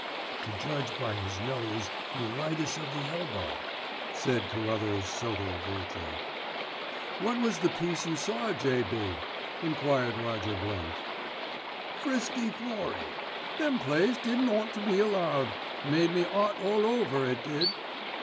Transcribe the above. "To judge by his nose, neuritis of the elbow," said Carruthers sotto voce. "What was the piece you saw, J.B.?" enquired Roger Blint. "Frisky Florrie. Them plays didn't ought to be allowed. Made me 'ot all over, it did."